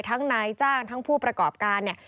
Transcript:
ทั้งนายจ้างทั้งผู้ประกอบการเนี่ย